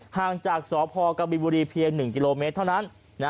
ห่างจากสพกบินบุรีเพียง๑กิโลเมตรเท่านั้น